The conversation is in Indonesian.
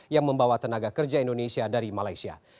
yang membawa tenaga kerja indonesia dari malaysia